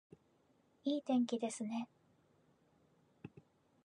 いい天気ですね